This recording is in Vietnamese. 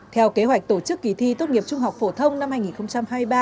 theo kế hoạch tổ chức kỳ thi tốt nghiệp trung học phổ thông năm hai nghìn hai mươi ba